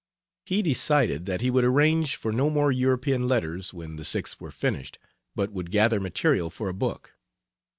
He decided that he would arrange for no more European letters when the six were finished, but would gather material for a book.